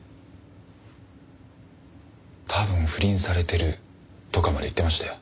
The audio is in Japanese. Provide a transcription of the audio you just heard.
「多分不倫されてる」とかまで言ってましたよ。